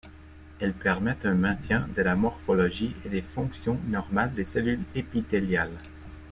Elles permettent un maintien de la morphologie et des fonctions normales des cellules épithéliales.